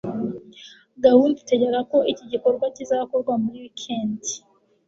gahunda itegeka ko iki gikorwa kizakorwa muri wikendi